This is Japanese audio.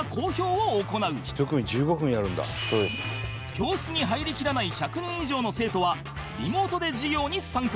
教室に入りきらない１００人以上の生徒はリモートで授業に参加